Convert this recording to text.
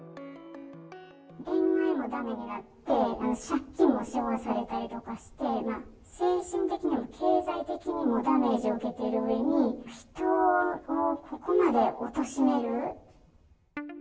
恋愛もだめになって、借金を背負わされたりとかして、精神的にも経済的にもダメージを受けてるうえに、人をここまでおとしめる。